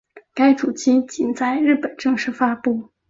该主机仅在日本正式发布。